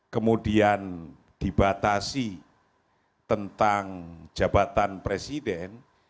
kemudian dibatasi tentang jabatan presiden